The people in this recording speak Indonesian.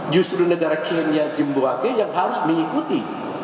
justru negara kenya jemboage yang harus mengikuti